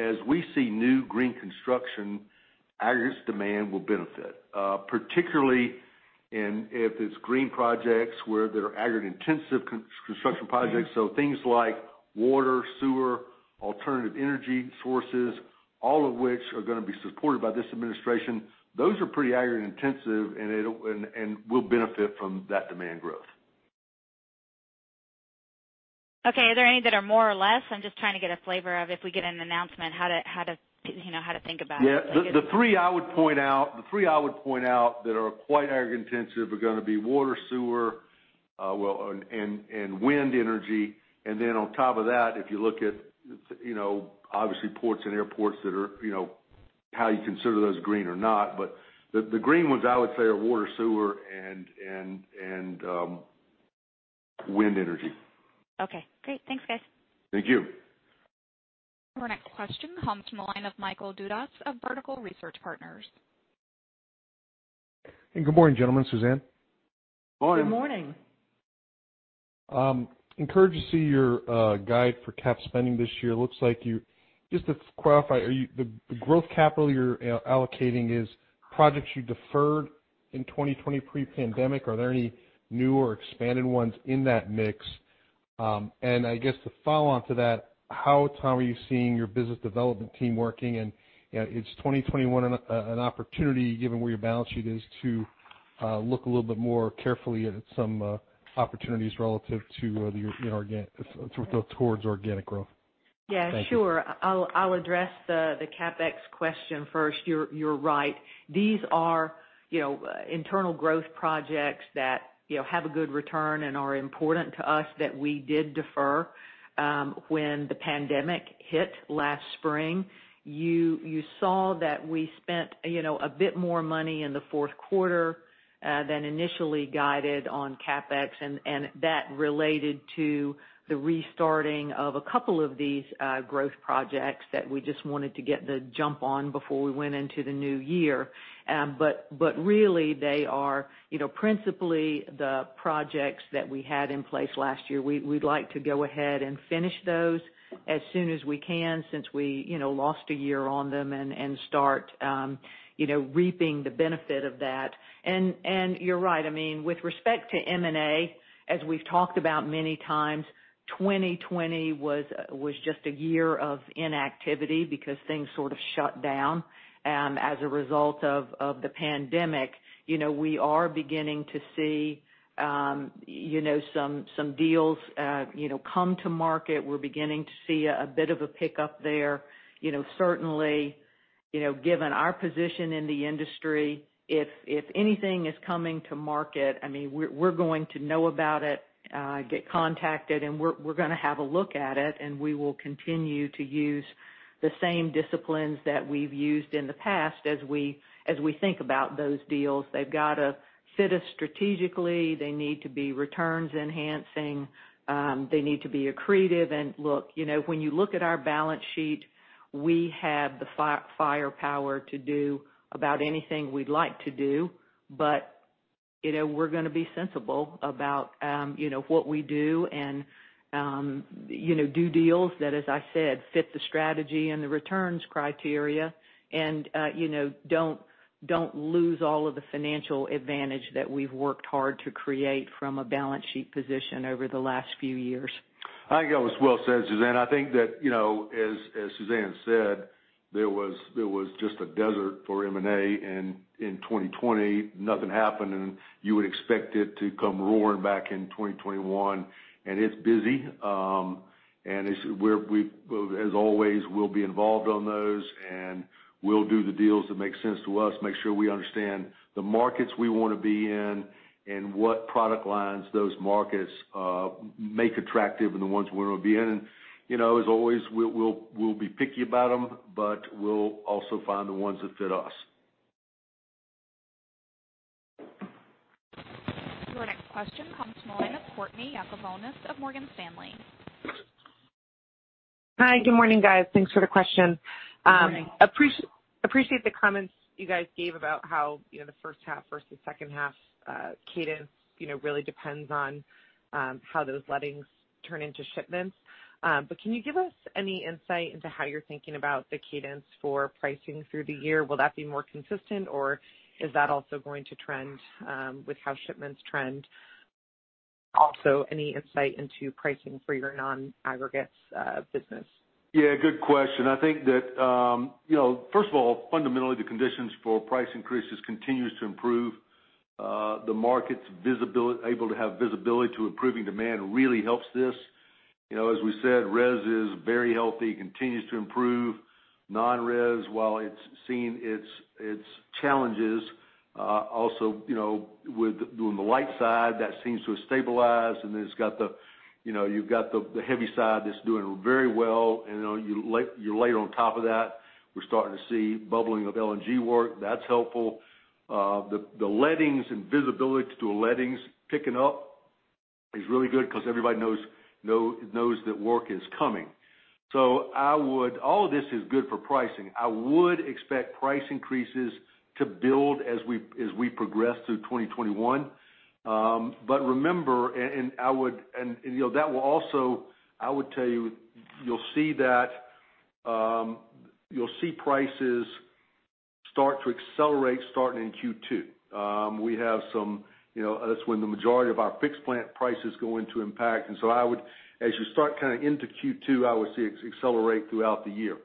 As we see new green construction, Aggregates demand will benefit. Particularly if it's green projects where there are aggregate-intensive construction projects. Things like water, sewer, alternative energy sources, all of which are going to be supported by this administration. Those are pretty aggregate-intensive and will benefit from that demand growth. Okay. Are there any that are more or less? I'm just trying to get a flavor of if we get an announcement, how to think about it. Yeah. The three I would point out that are quite aggregate-intensive are going to be water, sewer, and wind energy. Then on top of that, if you look at obviously ports and airports that are how you consider those green or not, but the green ones I would say are water, sewer and wind energy. Okay. Great. Thanks, guys. Thank you. Our next question comes from the line of Michael Dudas of Vertical Research Partners. Good morning, gentlemen, Suzanne. Morning. Good morning. Encouraged to see your guide for CapEx spending this year. Just to clarify, the growth capital you're allocating is projects you deferred in 2020 pre-pandemic. Are there any new or expanded ones in that mix? I guess to follow on to that, how, Tom, are you seeing your business development team working? Is 2021 an opportunity, given where your balance sheet is, to look a little bit more carefully at some opportunities relative towards organic growth? Thank you. Yeah, sure. I'll address the CapEx question first. You're right. These are internal growth projects that have a good return and are important to us that we did defer when the pandemic hit last spring. You saw that we spent a bit more money in the fourth quarter than initially guided on CapEx, that related to the restarting of a couple of these growth projects that we just wanted to get the jump on before we went into the new year. Really, they are principally the projects that we had in place last year. We'd like to go ahead and finish those as soon as we can since we lost a year on them and start reaping the benefit of that. You're right. With respect to M&A, as we've talked about many times, 2020 was just a year of inactivity because things sort of shut down as a result of the pandemic. We are beginning to see some deals come to market. We're beginning to see a bit of a pickup there. Certainly, given our position in the industry, if anything is coming to market, we're going to know about it, get contacted, and we're going to have a look at it, and we will continue to use the same disciplines that we've used in the past as we think about those deals. They've got to fit us strategically. They need to be returns enhancing. They need to be accretive. Look, when you look at our balance sheet, we have the firepower to do about anything we'd like to do. We're going to be sensible about what we do and do deals that, as I said, fit the strategy and the returns criteria and don't lose all of the financial advantage that we've worked hard to create from a balance sheet position over the last few years. I think that was well said, Suzanne. I think that, as Suzanne said, there was just a desert for M&A in 2020. Nothing happened, and you would expect it to come roaring back in 2021. It's busy. As always, we'll be involved on those, and we'll do the deals that make sense to us, make sure we understand the markets we want to be in and what product lines those markets make attractive and the ones we want to be in. As always, we'll be picky about them, but we'll also find the ones that fit us. Your next question comes from the line of Courtney Yakavonis of Morgan Stanley. Hi, good morning, guys. Thanks for the question. Good morning. Appreciate the comments you guys gave about how the first half versus second half cadence really depends on how those lettings turn into shipments. Can you give us any insight into how you're thinking about the cadence for pricing through the year? Will that be more consistent, or is that also going to trend with how shipments trend? Also, any insight into pricing for your non-Aggregates business? Yeah, good question. I think that, first of all, fundamentally, the conditions for price increases continues to improve. The market's able to have visibility to improving demand really helps this. As we said, res is very healthy, continues to improve. Non-res, while it's seen its challenges, also with doing the light side, that seems to have stabilized. You've got the heavy side that's doing very well. You layer on top of that, we're starting to see bubbling of LNG work. That's helpful. The lettings and visibility to lettings picking up is really good because everybody knows that work is coming. All of this is good for pricing. I would expect price increases to build as we progress through 2021. Remember, I would tell you'll see prices start to accelerate starting in Q2. That's when the majority of our fixed plant prices go into impact. As you start into Q2, I would see it accelerate throughout the year.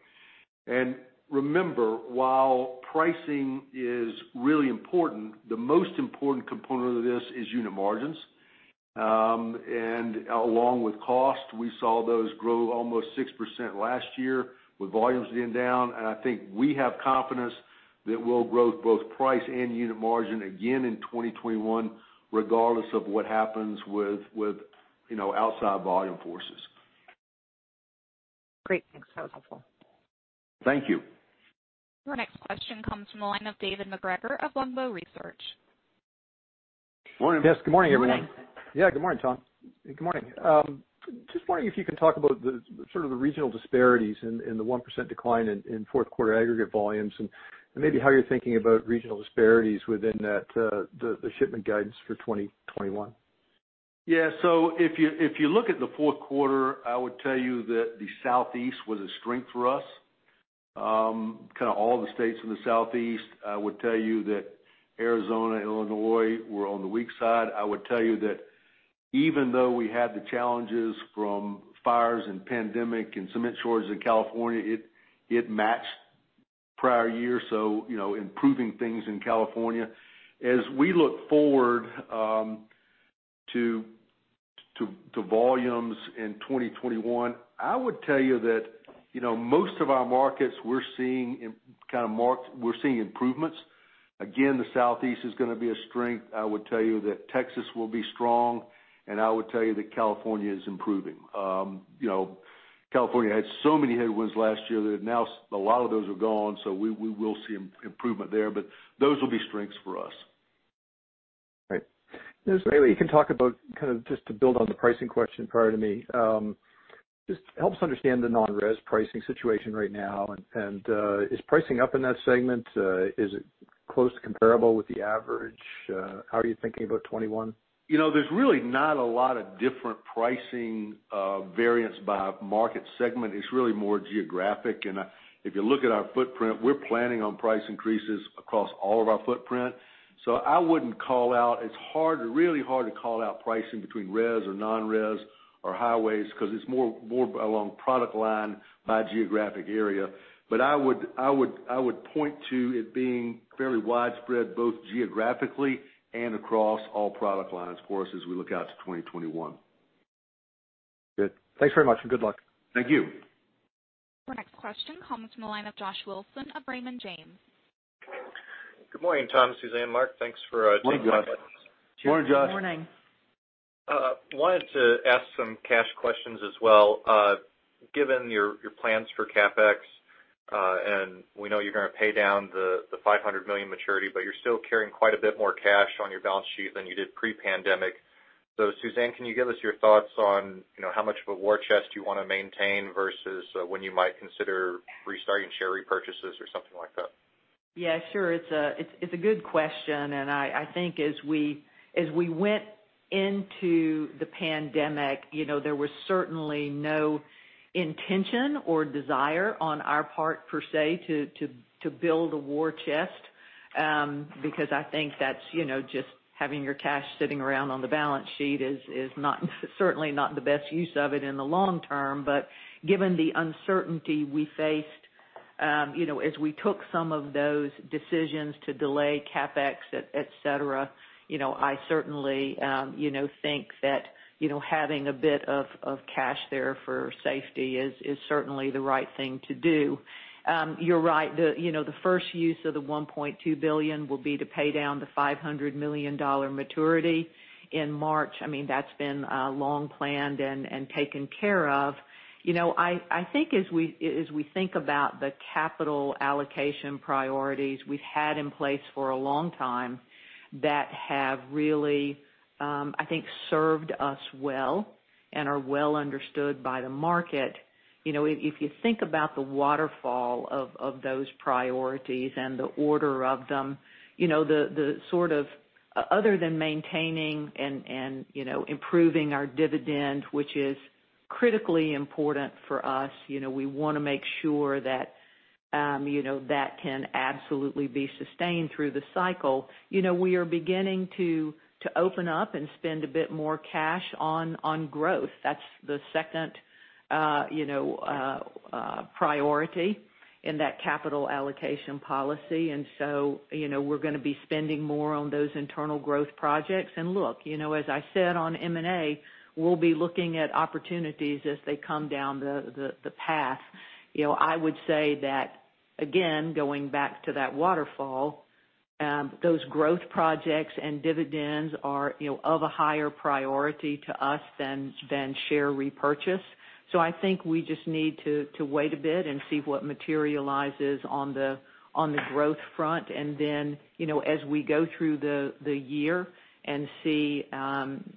Remember, while pricing is really important, the most important component of this is unit margins. Along with cost, we saw those grow almost 6% last year with volumes being down. I think we have confidence that we'll grow both price and unit margin again in 2021, regardless of what happens with outside volume forces. Great. Thanks. That was helpful. Thank you. Your next question comes from the line of David MacGregor of Longbow Research. Morning. Yes, good morning, everyone. Good morning. Yeah, good morning, Tom. Good morning. Just wondering if you can talk about the regional disparities in the 1% decline in fourth quarter aggregate volumes, and maybe how you're thinking about regional disparities within the shipment guidance for 2021. Yeah. If you look at the Q4, I would tell you that the Southeast was a strength for us. Kind of all the states in the Southeast. I would tell you that Arizona, Illinois were on the weak side. I would tell you that even though we had the challenges from fires and pandemic and cement shortage in California, it matched prior year, so improving things in California. As we look forward to volumes in 2021, I would tell you that most of our markets we're seeing improvements. Again, the Southeast is going to be a strength. I would tell you that Texas will be strong, and I would tell you that California is improving. California had so many headwinds last year that now a lot of those are gone, so we will see improvement there. Those will be strengths for us. Great. Just maybe you can talk about, kind of just to build on the pricing question prior to me. Just help us understand the non-res pricing situation right now. Is pricing up in that segment? Is it close to comparable with the average? How are you thinking about 2021? There's really not a lot of different pricing variance by market segment. It's really more geographic. If you look at our footprint, we're planning on price increases across all of our footprint. It's really hard to call out pricing between res or non-res or highways because it's more along product line by geographic area. I would point to it being fairly widespread, both geographically and across all product lines for us as we look out to 2021. Good. Thanks very much, and good luck. Thank you. Our next question comes from the line of Joshua Wilson of Raymond James. Good morning, Tom, Suzanne, Mark. Thanks for taking my questions. Good morning, Josh. Good morning. Wanted to ask some cash questions as well. Given your plans for CapEx, and we know you're going to pay down the $500 million maturity, but you're still carrying quite a bit more cash on your balance sheet than you did pre-pandemic. Suzanne, can you give us your thoughts on how much of a war chest you want to maintain versus when you might consider restarting share repurchases or something like that? Yeah, sure. It's a good question. I think as we went into the pandemic, there was certainly no intention or desire on our part, per se, to build a war chest, because I think just having your cash sitting around on the balance sheet is certainly not the best use of it in the long term. Given the uncertainty we faced as we took some of those decisions to delay CapEx, et cetera, I certainly think that having a bit of cash there for safety is certainly the right thing to do. You're right. The first use of the $1.2 billion will be to pay down the $500 million maturity in March. That's been long planned and taken care of. I think as we think about the capital allocation priorities we've had in place for a long time that have really, I think, served us well and are well understood by the market. If you think about the waterfall of those priorities and the order of them, other than maintaining and improving our dividend, which is critically important for us, we want to make sure that can absolutely be sustained through the cycle. We are beginning to open up and spend a bit more cash on growth. That's the second priority in that capital allocation policy. We're going to be spending more on those internal growth projects. Look, as I said on M&A, we'll be looking at opportunities as they come down the path. I would say that, again, going back to that waterfall, those growth projects and dividends are of a higher priority to us than share repurchase. I think we just need to wait a bit and see what materializes on the growth front. As we go through the year and see how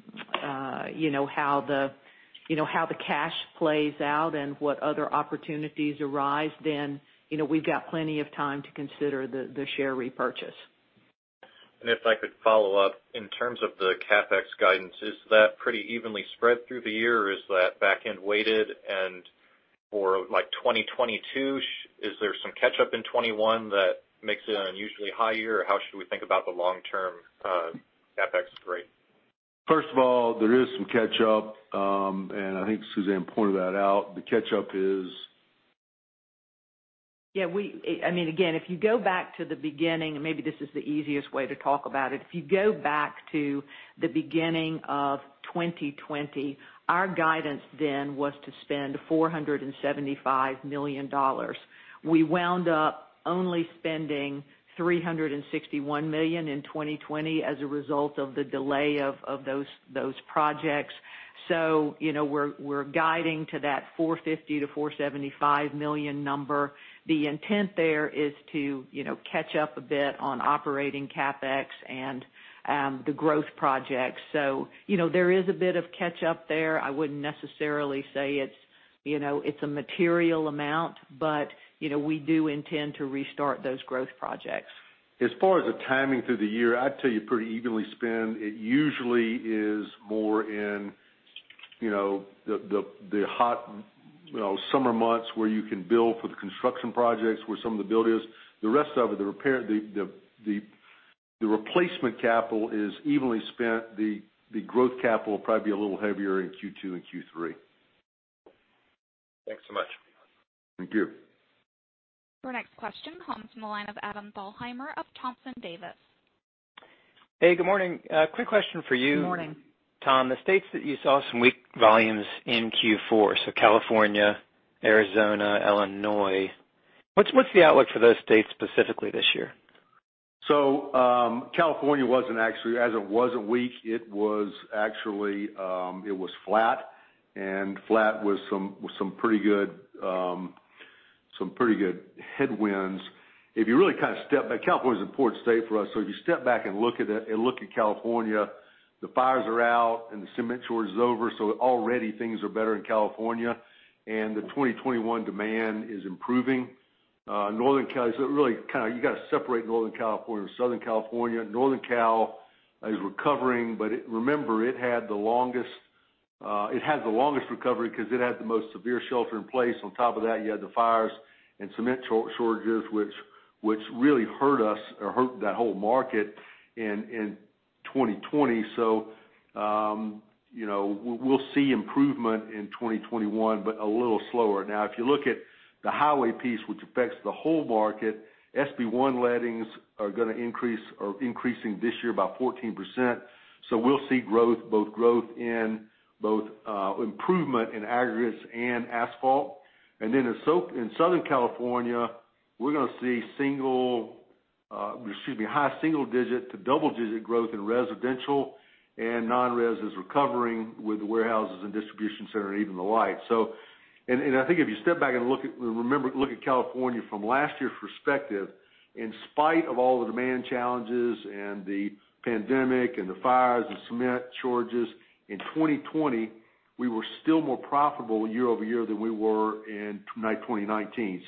the cash plays out and what other opportunities arise, then we've got plenty of time to consider the share repurchase. If I could follow up, in terms of the CapEx guidance, is that pretty evenly spread through the year, or is that back-end weighted? For 2022, is there some catch-up in 2021 that makes it an unusually high year, or how should we think about the long-term CapEx rate? First of all, there is some catch-up. I think Suzanne pointed that out. The catch-up is. Yeah. Again, if you go back to the beginning, and maybe this is the easiest way to talk about it. If you go back to the beginning of 2020, our guidance then was to spend $475 million. We wound up only spending $361 million in 2020 as a result of the delay of those projects. We're guiding to that $450 million-$475 million number. The intent there is to catch up a bit on operating CapEx and the growth projects. There is a bit of catch-up there. I wouldn't necessarily say it's a material amount, but we do intend to restart those growth projects. As far as the timing through the year, I'd tell you pretty evenly spent. It usually is more in the hot summer months where you can build for the construction projects, where some of the build is. The rest of it, the replacement capital is evenly spent. The growth capital will probably be a little heavier in Q2 and Q3. Thanks so much. Thank you. Our next question comes from the line of Adam Thalhimer of Thompson Davis. Hey, good morning. A quick question for you. Good morning. Tom. The states that you saw some weak volumes in Q4, so California, Arizona, Illinois. What's the outlook for those states specifically this year? California wasn't actually as weak. It was flat, and flat with some pretty good headwinds. California's an important state for us, so if you step back and look at it and look at California, the fires are out and the cement shortage is over. Already things are better in California and the 2021 demand is improving. Northern Cal, so really you got to separate Northern California from Southern California. Northern Cal is recovering, but remember, it had the longest recovery because it had the most severe shelter in place. On top of that, you had the fires and cement shortages, which really hurt us or hurt that whole market in 2020. We'll see improvement in 2021, but a little slower. Now, if you look at the highway piece, which affects the whole market, SB 1 lettings are increasing this year by 14%. We'll see both growth in both improvement in aggregates and asphalt. Then in Southern California, we're going to see high single digit to double digit growth in residential, and non-res is recovering with the warehouses and distribution center and even the light. I think if you step back and look at California from last year's perspective, in spite of all the demand challenges and the pandemic and the fires and cement shortages, in 2020, we were still more profitable year-over-year than we were in 2019.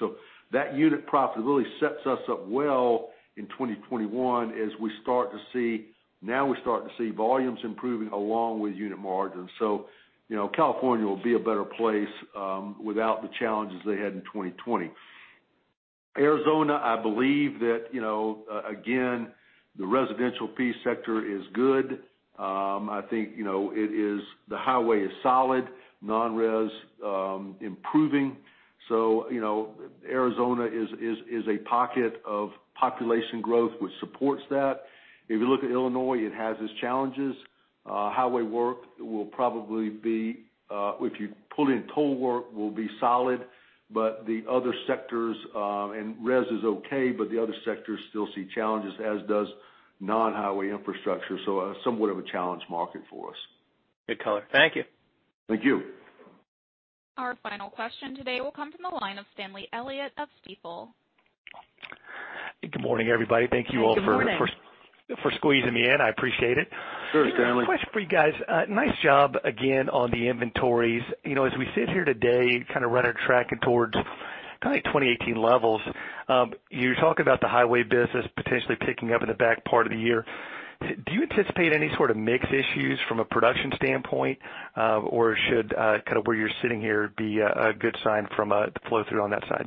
That unit profitability sets us up well in 2021 as now we're starting to see volumes improving along with unit margins. California will be a better place without the challenges they had in 2020. Arizona, I believe that, again, the residential piece sector is good. I think, the highway is solid. Non-res, improving. Arizona is a pocket of population growth, which supports that. If you look at Illinois, it has its challenges. Highway work, if you pull in toll work, will be solid. Res is okay, but the other sectors still see challenges, as does non-highway infrastructure. Somewhat of a challenged market for us. Good color. Thank you. Thank you. Our final question today will come from the line of Stanley Elliott of Stifel. Good morning, everybody. Thank you all. Good morning. for squeezing me in. I appreciate it. Sure, Stanley. Question for you guys. Nice job again on the inventories. As we sit here today, kind of run a track towards kind of 2018 levels, you talk about the highway business potentially picking up in the back part of the year. Do you anticipate any sort of mix issues from a production standpoint? Should kind of where you're sitting here be a good sign from the flow through on that side?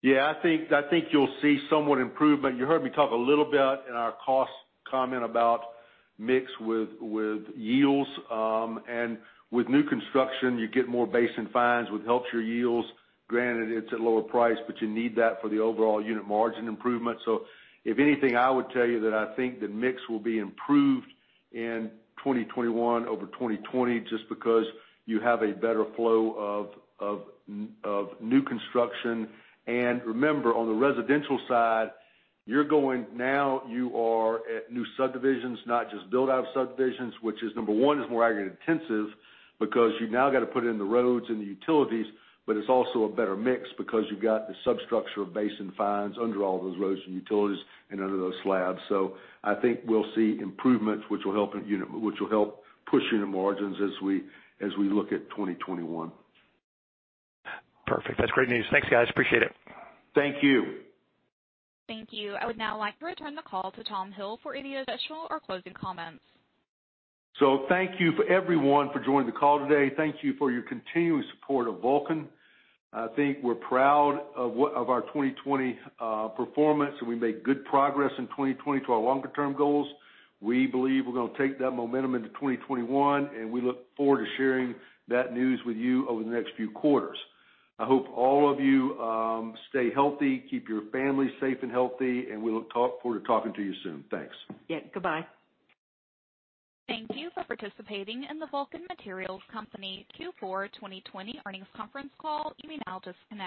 Yeah, I think you'll see somewhat improvement. You heard me talk a little bit in our cost comment about mix with yields. With new construction, you get more base and fines, which helps your yields. Granted, it's at lower price, but you need that for the overall unit margin improvement. If anything, I would tell you that I think the mix will be improved in 2021 over 2020, just because you have a better flow of new construction. Remember, on the residential side, now you are at new subdivisions, not just build out of subdivisions, which is number 1, is more aggregate intensive because you've now got to put in the roads and the utilities. It's also a better mix because you've got the substructure of base and fines under all those roads and utilities and under those slabs. I think we'll see improvements which will help push unit margins as we look at 2021. Perfect. That's great news. Thanks, guys. Appreciate it. Thank you. Thank you. I would now like to return the call to Tom Hill for any additional or closing comments. Thank you for everyone for joining the call today. Thank you for your continuous support of Vulcan. I think we're proud of our 2020 performance, and we made good progress in 2020 to our longer term goals. We believe we're going to take that momentum into 2021, and we look forward to sharing that news with you over the next few quarters. I hope all of you stay healthy, keep your family safe and healthy, and we look forward to talking to you soon. Thanks. Yeah. Goodbye. Thank you for participating in the Vulcan Materials Company Q4 2020 earnings conference call. You may now disconnect.